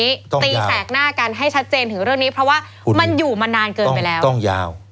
ตีแสกหน้ากันให้ชัดเจนถึงเรื่องนี้เพราะว่ามันอยู่มานานเกินไปแล้วต้องยาว